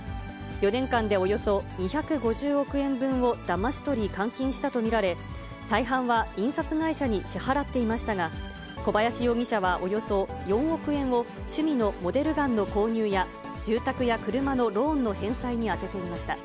４年間でおよそ２５０億円分をだまし取り、換金したと見られ、大半は印刷会社に支払っていましたが、小林容疑者は、およそ４億円を趣味のモデルガンの購入や、住宅や車のローンの返済に充てていました。